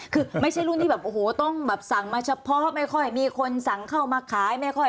คือไม่ใช่รุ่นที่แบบโอ้โหต้องแบบสั่งมาเฉพาะไม่ค่อยมีคนสั่งเข้ามาขายไม่ค่อย